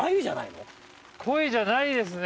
鯉じゃないですね。